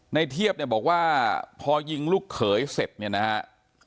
ในเทียบบอกว่าพอยิงลูกเขยเสร็จนะครับ